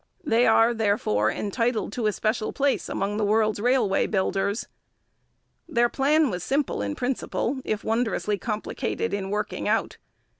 They are, therefore, entitled to a special place among the world's railway builders. Their plan was simple in principle, if wondrously complicated in working out.